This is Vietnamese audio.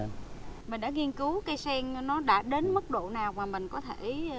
mình đã nghiên cứu cây sen nó đã đến mức độ nào mà mình có thể